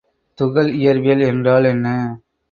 துகள் இயற்பியல் என்றால் என்ன?